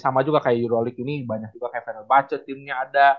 sama juga kayak eurolik ini banyak juga kayak vendor budget timnya ada